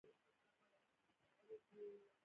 چټک غبرګون ورکول کله کله اړین وي.